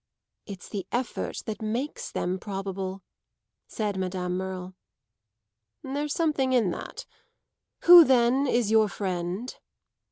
"It's the effort that makes them probable," said Madame Merle. "There's something in that. Who then is your friend?"